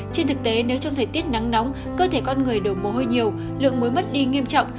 trên thực tế nếu trong thời tiết nắng nóng cơ thể con người đổ mồ hôi nhiều lượng mới mất đi nghiêm trọng